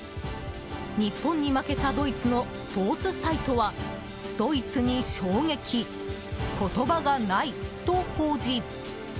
日本に負けたドイツのスポーツサイトはドイツに衝撃、言葉がないと報じ